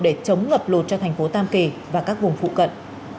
để chống ngập lụt cho thành phố tam kỳ và các vùng phụ cận